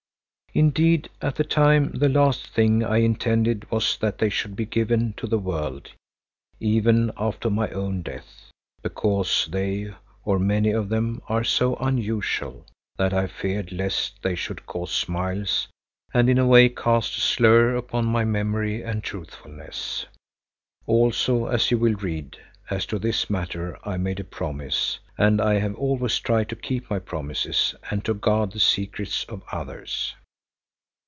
Indeed, at the time the last thing I intended was that they should be given to the world even after my own death, because they, or many of them, are so unusual that I feared lest they should cause smiles and in a way cast a slur upon my memory and truthfulness. Also, as you will read, as to this matter I made a promise and I have always tried to keep my promises and to guard the secrets of others.